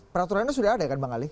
peraturannya sudah ada kan bang ali